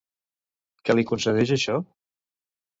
Què li concedeix això?